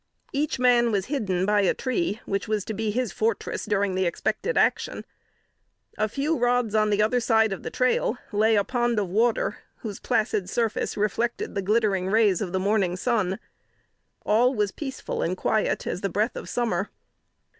Each man was hidden by a tree, which was to be his fortress during the expected action. A few rods on the other side of the trail lay a pond of water, whose placid surface reflected the glittering rays of the morning sun. All was peaceful and quiet as the breath of summer.